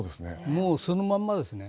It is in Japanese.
もうそのまんまですね。